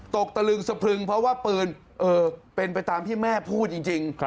ตะลึงสะพรึงเพราะว่าปืนเป็นไปตามที่แม่พูดจริง